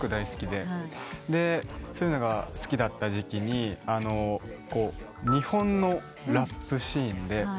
でそういうのが好きだった時期に日本のラップシーンで。